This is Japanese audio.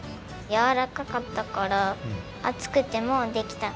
やわらかかったから熱くてもできた！